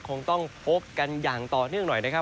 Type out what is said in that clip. คงต้องพบกันอย่างต่อเนื่องหน่อยนะครับ